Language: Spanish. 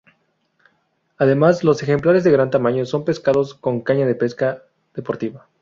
Además los ejemplares de gran tamaño son pescados con caña en pesca deportiva.